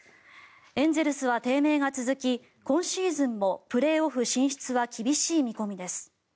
エンゼルスは低迷が続き今シーズンもプレーオフ進出は厳しい見込みです。